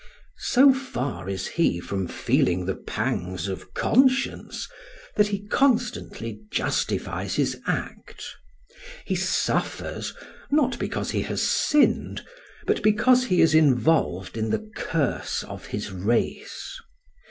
So far is he from feeling the pangs of conscience that he constantly justifies his act. He suffers, not because he has sinned but because he is involved in the curse of his race.